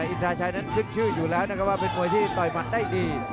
อินทราชัยนั้นขึ้นชื่ออยู่แล้วนะครับว่าเป็นมวยที่ต่อยหมัดได้ดี